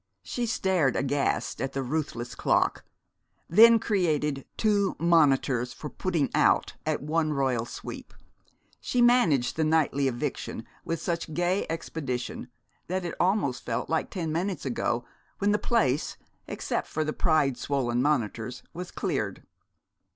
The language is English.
She stared aghast at the ruthless clock, then created two Monitors for Putting Out at one royal sweep. She managed the nightly eviction with such gay expedition that it almost felt like ten minutes ago when the place, except for the pride swollen monitors, was cleared.